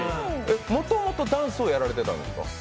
もともとダンスをやられていたんですか？